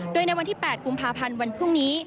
โดยในวันที่๘กุมภาพันธ์วันพรุ่งนี้